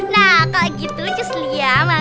nah kalau gitu cus liam